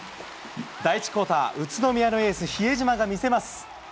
第１クオーター、宇都宮のエース、比江島が見せます。